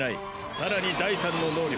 更に第３の能力。